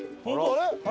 あれ？